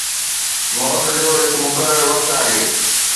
موت جو هڪ مقرر وقت آهي